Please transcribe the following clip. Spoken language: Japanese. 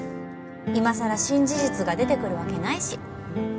今さら新事実が出てくるわけないし。